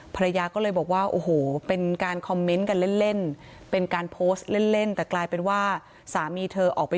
ภรรยาก็เลยบอกว่าโอ้โหเป็นการคอมเมนต์กันเล่นเป็นการโพสต์เล่นแต่กลายเป็นว่าสามีเธอออกไป